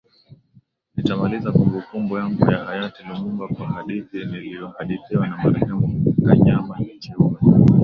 Nitamalizia kumbukumbu yangu ya hayati Lumumba kwa hadithi niliyohadithiwa na marehemu Kanyama Chiume